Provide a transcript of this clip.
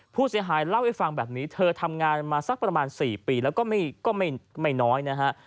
ผู้เสียหายเล่าให้ฟังแบบนี้เธอทำงานมาสักประมาณ๔ปีแล้วก็ไม่น้อยนะฮะ